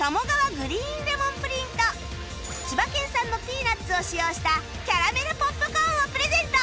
グリーンレモンプリンと千葉県産のピーナッツを使用したキャラメルポップコーンをプレゼント